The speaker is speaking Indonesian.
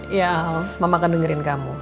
iya mama akan dengerin kamu